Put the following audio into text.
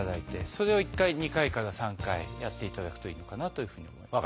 それを１回２回から３回やっていただくといいのかなというふうに思います。